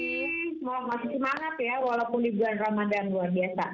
masih semangat ya walaupun di bulan ramadan luar biasa